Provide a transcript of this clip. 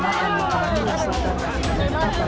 di kandungan ketakang kabar